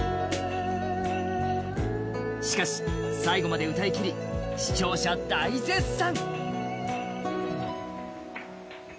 しかし、最後まで歌いきり、視聴者大絶賛！